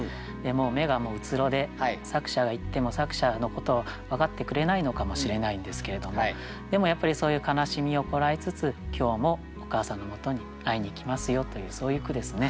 眼がもう虚で作者が行っても作者のことを分かってくれないのかもしれないんですけれどもでもやっぱりそういう悲しみをこらえつつ今日もお母さんのもとに会いに行きますよというそういう句ですね。